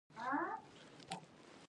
نه یې د بل چا په اړه اوري.